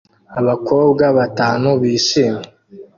Abakobwa batanu bishimye